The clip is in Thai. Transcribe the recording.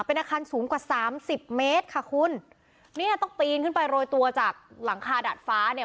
เป็นอาคารสูงกว่าสามสิบเมตรค่ะคุณเนี่ยต้องปีนขึ้นไปโรยตัวจากหลังคาดัดฟ้าเนี่ย